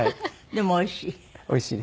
でもおいしい？